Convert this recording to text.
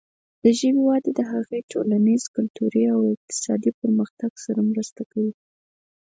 د ژبې وده د هغې د ټولنیز، کلتوري او اقتصادي پرمختګ سره مرسته کوي.